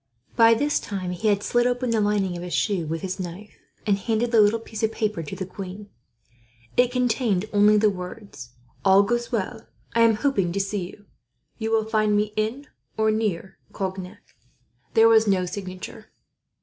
By this time he had slit open the lining of his shoe with his knife, and handed the little piece of paper to the queen. It contained only the words: "All goes well. Am hoping to see you. You will find me in or near Cognac." There was no signature.